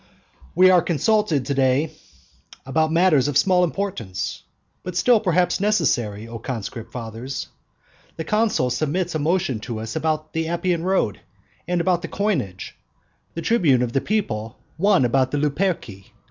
I. We are consulted to day about matters of small importance, but still perhaps necessary, O conscript fathers. The consul submits a motion to us about the Appian road, and about the coinage, the tribune of the people one about the Luperci.